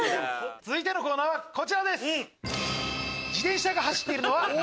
続いてのコーナーはこちらです。